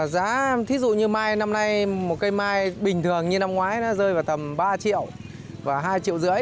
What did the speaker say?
giá thí dụ như mai năm nay một cây mai bình thường như năm ngoái nó rơi vào tầm ba triệu và hai triệu rưỡi